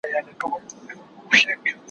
زه اوږده وخت د سبا لپاره د هنرونو تمرين کوم!؟